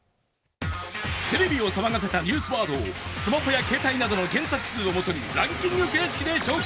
テレビを騒がせたニュースワードをスマホや携帯などの検索数をもとにランキング形式で紹介。